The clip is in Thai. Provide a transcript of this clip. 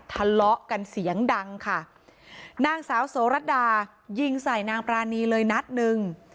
ทะเลาะกันเสียงดังค่ะนางสาวโสรัตดายิงใส่นางปรานีเลยนัดหนึ่ง